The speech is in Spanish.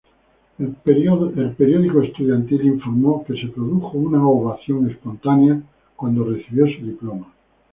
El periódico estudiantil informó que se produjo una ovación espontánea cuando recibió su diploma.